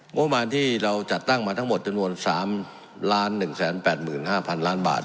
งบประมาณที่เราจัดตั้งมาทั้งหมดจำนวน๓๑๘๕๐๐๐ล้านบาท